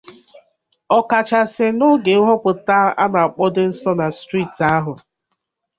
ọ kachasị n'oge nhọpụta a na-akpụdobe nso na steeti ahụ.